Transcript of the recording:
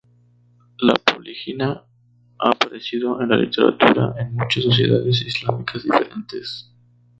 La poliginia ha aparecido en la literatura en muchas sociedades islámicas diferentes.